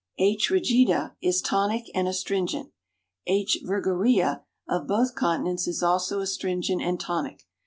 H. rigida is tonic and astringent. H. virgaurea of both continents is also astringent and tonic.